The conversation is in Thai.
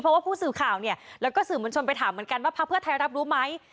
เพราะว่าผู้สื่อข่าวเนี่ยแล้วก็สื่อมวลชนไปถามเหมือนกันว่าพักเพื่อไทยรับรู้ไหม